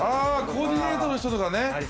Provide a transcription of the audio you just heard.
コーディネートの人とかね。